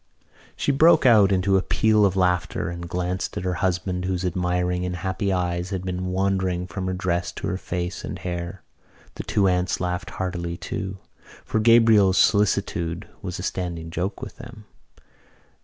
She broke out into a peal of laughter and glanced at her husband, whose admiring and happy eyes had been wandering from her dress to her face and hair. The two aunts laughed heartily too, for Gabriel's solicitude was a standing joke with them.